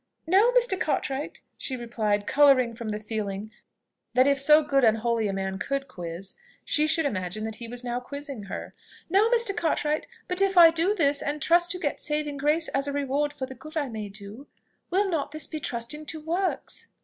"No! Mr. Cartwright!" she replied, colouring from the feeling, that if so good and holy a man could quiz, she should imagine that he was now quizzing her, "No! Mr. Cartwright! but if I do this, and trust to get saving grace as a reward for the good I may do, will not this be trusting to works?"